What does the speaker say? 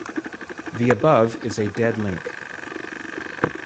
The above is a dead link.